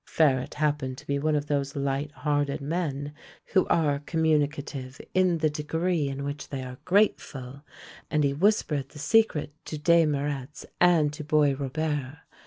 Faret happened to be one of those light hearted men who are communicative in the degree in which they are grateful, and he whispered the secret to Des Marets and to Boisrobert.